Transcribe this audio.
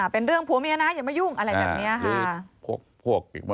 เป็นเรื่องผัวเมียนะอย่ามายุ่งอะไรแบบนี้ค่ะ